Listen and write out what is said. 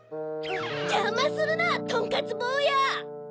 ジャマするなとんかつぼうや！